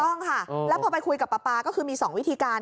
ต้องค่ะแล้วพอไปคุยกับป๊าป๊าก็คือมี๒วิธีการ